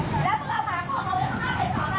กลับมาเล่าให้ฟังครับ